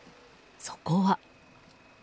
そこは。